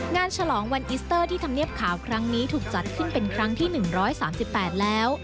ฉลองวันอิสเตอร์ที่ทำเนียบขาวครั้งนี้ถูกจัดขึ้นเป็นครั้งที่๑๓๘แล้ว